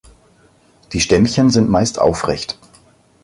Die Stämmchen sind meist aufrecht.